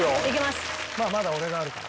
まあまだ俺があるから。